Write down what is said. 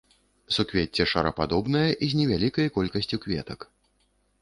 Суквецце шарападобнае, з невялікай колькасцю кветак.